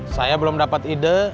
saya belum dapet ide